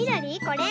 これ？